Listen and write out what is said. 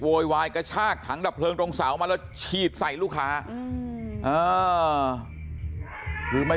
โวยวายกระชากถังดับเพลิงตรงเสามาแล้วฉีดใส่ลูกค้าคือไม่